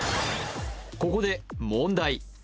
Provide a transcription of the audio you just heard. ここで問題